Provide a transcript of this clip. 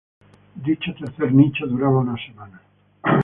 Dicho tercer nicho duraba unas semanas.